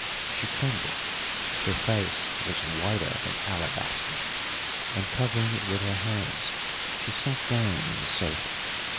She trembled: her face was whiter than alabaster, and, covering it with her hands, she sank down on the sofa.